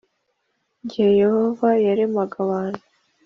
Igihe Yehova yaremaga abantu